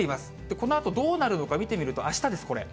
このあと、どうなるのか見てみると、あしたです、これ。